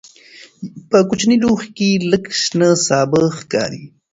په کوچني لوښي کې لږ شنه سابه ښکاري.